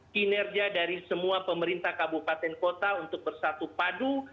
kinerja dari semua pemerintah kabupaten kota untuk bersatu padu